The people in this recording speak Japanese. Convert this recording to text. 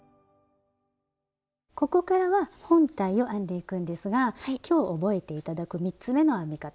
ここからは本体を編んでいくんですが今日覚えて頂く３つ目の編み方。